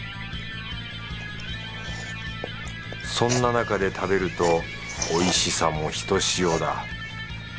そんな中で食べるとおいしさもひとしおだ。